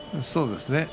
そうですね。